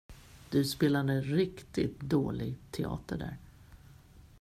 Du spelade riktigt dålig teater där!